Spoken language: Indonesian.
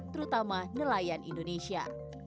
terutama nelayan indonesia